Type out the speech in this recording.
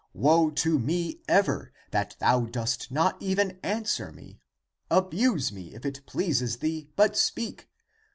Woe to me ever, that thou dost not even answer me! Abuse me, if it pleases thee, but speak.